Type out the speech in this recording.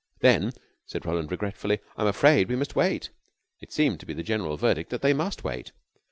"Then," said Roland regretfully, "I'm afraid we must wait." It seemed to be the general verdict that they must wait.